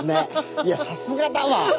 いやさすがだわ！